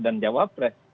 dan jawa pres